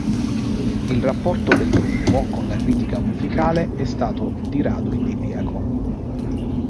Il rapporto del gruppo con la critica musicale è stato di rado idilliaco.